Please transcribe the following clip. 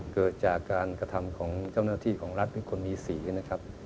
เกิดจากการกระทำของเจ้าหน้าที่ของรัฐเป็นคนมีสีนะครับ